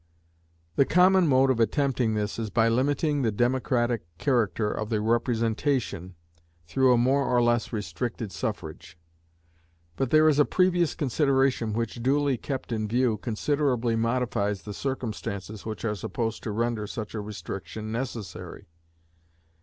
The common mode of attempting this is by limiting the democratic character of the representation through a more or less restricted suffrage. But there is a previous consideration which, duly kept in view, considerably modifies the circumstances which are supposed to render such a restriction necessary.